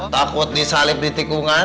takut disalib di tikungan